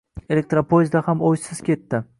Elektropoezdda ham o`ysiz ketdi